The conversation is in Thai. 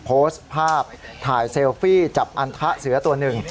โพสต์ภาพถ่ายเซลฟี่จับอันทะเสือตัวหนึ่ง